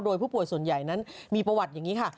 โดยผู้ป่วยส่วนใหญ่นั้นมีประวัติอย่างนี้ค่ะ